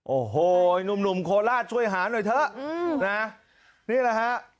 โอ้โหหนุ่มโคราชช่วยหาหน่อยเถอะนะนี่แหละฮะ